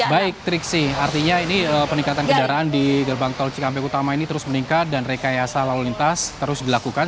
baik triksi artinya ini peningkatan kendaraan di gerbang tol cikampek utama ini terus meningkat dan rekayasa lalu lintas terus dilakukan